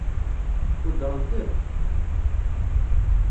Weddṛent-t?